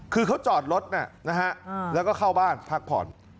คือเขาจอดรถนะฮะแล้วก็เข้าบ้านพักผ่อน